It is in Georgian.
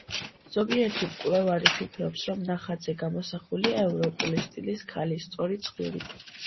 ზოგიერთი მკვლევარი ფიქრობს, რომ ნახატზე გამოსახულია ევროპული სტილის ქალი სწორი ცხვირით.